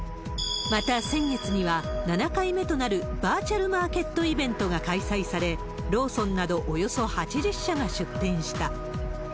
また、先月には、７回目となるバーチャルマーケットイベントが開催され、ローソンなどおよそ８０社が出店した。